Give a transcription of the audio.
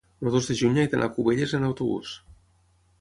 el dos de juny he d'anar a Cubelles amb autobús.